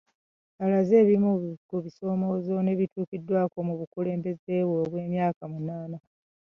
Alaze ebimu ku bisoomoozo n'ebituukiddwako mu bukulembeze bwe obw'emyaka munaana